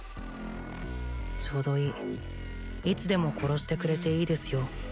ちょうどいいいつでも殺してくれていいですよ